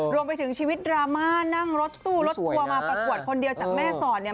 รวมไปถึงชีวิตดราม่านั่งรถตู้รถทัวร์มาประกวดคนเดียวจากแม่สอดเนี่ย